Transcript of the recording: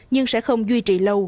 nhưng sẽ không duy trì lâu